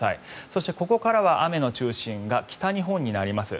そして、ここからは雨の中心が北日本になります。